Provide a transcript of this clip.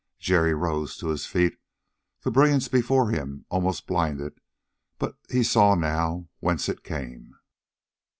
Jerry rose to his feet; the brilliance before him almost blinded, but he saw now whence it came.